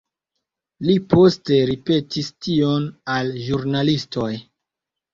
Li poste ripetis tion al ĵurnalistoj.